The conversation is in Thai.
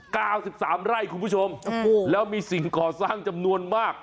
เก้าสิบสามไร่คุณผู้ชมโอ้โหแล้วมีสิ่งก่อสร้างจำนวนมาก